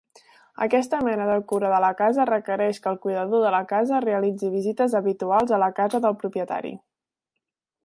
Aquesta mena de cura de la casa requereix que el cuidador de la casa realitzi visites habituals a la casa del propietari.